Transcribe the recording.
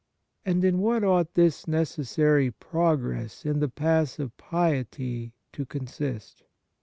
And in what ought this necessary 83 On Piety progress in the paths of piety to consist